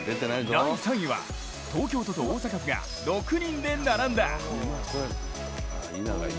第３位は、東京都と大阪府が６人で並んだ。